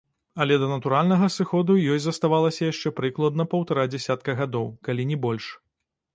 Але да натуральнага сыходу ёй заставалася яшчэ прыкладна паўтара дзясятка гадоў, калі не больш.